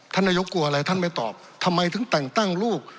นายกกลัวอะไรท่านไม่ตอบทำไมถึงแต่งตั้งลูก